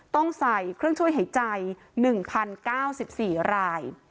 ต้องใส่เครื่องช่วยหายใจ๑๐๙๔ราย